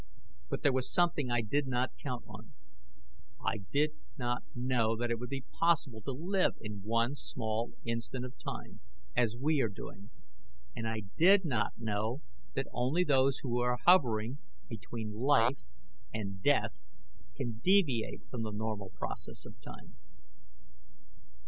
But there was something I did not count on. I did not know that it would be possible to live in one small instant of time, as we are doing. And I did not know that only those who are hovering between life and death can deviate from the normal process of time!"